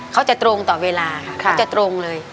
เขาจะตรงต่อเวลาเขาจะตรงเลย